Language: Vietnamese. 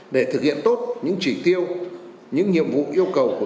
để thực hiện tốt những chỉ tiêu những nhiệm vụ yêu cầu của